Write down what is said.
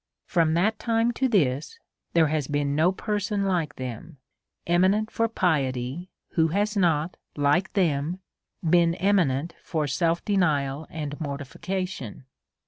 From that time to this there has been no person like them, eminent foi* piety, who has not, like them, been eminent for self denial and mortification.